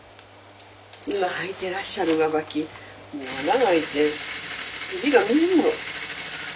今履いてらっしゃる上履きもう穴が開いて指が見えるの。